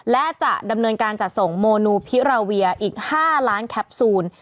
และจะดำเนินการจัดส่งโมนูพิราเวียอีก๕ล้านแคปซูล